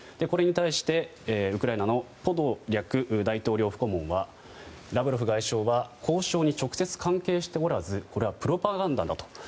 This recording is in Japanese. これに対して、ウクライナのポドリャク大統領府顧問はラブロフ外相は交渉に直接関係しておらずこれはプロパガンダだと。